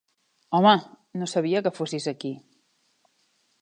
Home!, no sabia que fossis aquí.